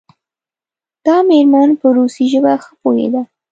دا میرمن په روسي ژبه ښه پوهیده.